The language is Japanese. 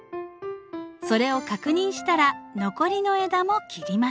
それを確認したら残りの枝も切ります。